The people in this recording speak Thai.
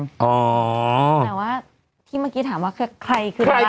แต่ว่าที่เมื่อกี้ถามว่าใครคือใคร